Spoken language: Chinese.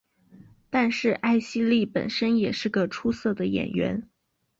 但是艾希莉本身也是个出色的演员。